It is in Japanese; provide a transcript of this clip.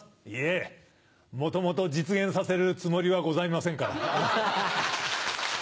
いいえ元々実現させるつもりはございませんから。